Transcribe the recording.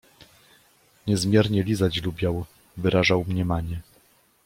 Niezmiernie lizać lubiał, wyrażał mniemanie